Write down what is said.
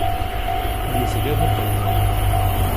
Yufeg-am uqermud.